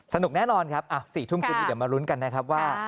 สนุกแน่นอนครับอ่ะ๔ทุ่มคืนเดี๋ยวมารุ้นกันนะครับว่า